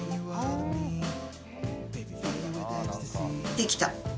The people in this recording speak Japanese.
できた。